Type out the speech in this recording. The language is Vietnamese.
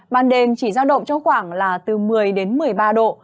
ban đêm chỉ giao động trong khoảng là từ một mươi đến một mươi ba độ